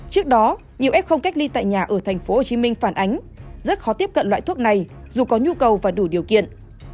trước đó nhiều f cách ly tại nhà ở tp hcm phản ánh rất khó tiếp cận loại thuốc này dù có nhu cầu và đủ điều kiện